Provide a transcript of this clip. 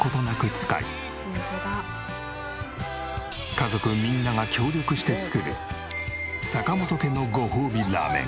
家族みんなが協力して作る坂本家のごほうびラーメン。